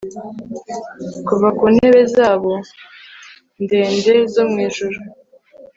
Kuva ku ntebe zabo ndende zo mu Ijuru